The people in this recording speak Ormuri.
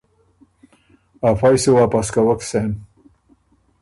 ا فئ سُو واپس کوَک سېن۔